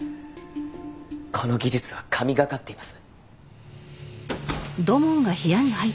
この技術は神懸かっています。